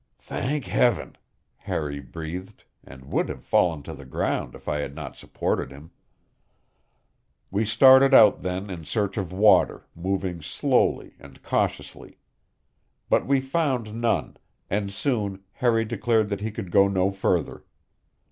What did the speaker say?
"Thank Heaven!" Harry breathed, and would have fallen to the ground if I had not supported him. We started out then in search of water, moving slowly and cautiously. But we found none, and soon Harry declared that he could go no further.